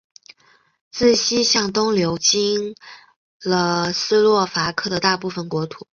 自西向东流经了斯洛伐克的大部分国土。